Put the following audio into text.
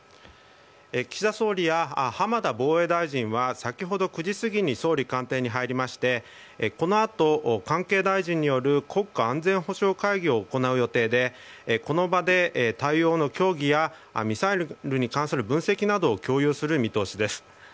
岸田総理や浜田防衛大臣は先ほど９時すぎに総理官邸に入りましてこの後、関係大臣による国家安全保障会議を行う予定でこの場で、対応の協議やミサイルに関する分析を共有する見通しです。